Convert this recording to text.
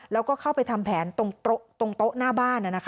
แล้วก็เข้าไปทำแผนตรงโต๊ะหน้าบ้าน